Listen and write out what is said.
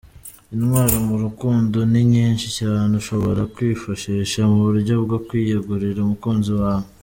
Intwaro mu rukundo ni nyinshi cyane ushobora kwifashisha mu buryo bwo kwiyegurira umukunzi wawe.